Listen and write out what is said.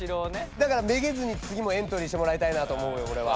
だからめげずにつぎもエントリーしてもらいたいなと思うよオレは。